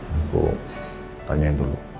aku tanyain dulu ya